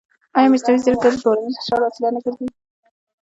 ایا مصنوعي ځیرکتیا د ټولنیز فشار وسیله نه ګرځي؟